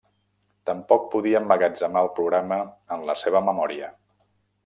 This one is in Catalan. Tampoc podia emmagatzemar el programa en la seva memòria.